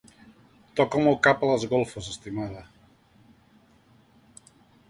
Toca'm el cap a les golfes, estimada.